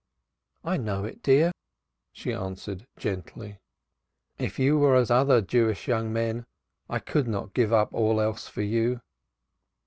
"I know it, dear," she answered gently. "If you were as other Jewish young men I could not give up all else for you."